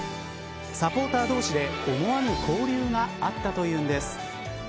サポーター同士で思わぬ交流があったというんです。